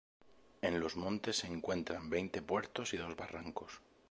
En los montes se encuentran veinte puertos y dos barrancos.